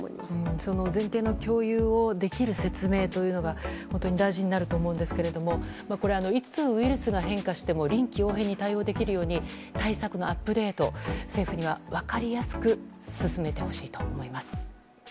その前提の共有をできる説明というのが大事になると思うんですけれどもいつウイルスが変化しても臨機応変に対応できるように対策のアップデートを政府には、分かりやすく進めてほしいと思います。